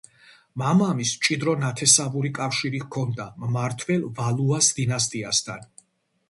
მამამისს მჭიდრო ნათესავური კავშირი ჰქონდა მმართველ ვალუას დინასტიასთან.